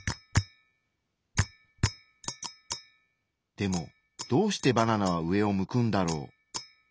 でもどうしてバナナは上を向くんだろう？